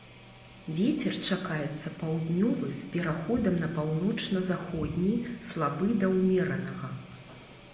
Вецер чакаецца паўднёвы з пераходам на паўночна-заходні слабы да ўмеранага.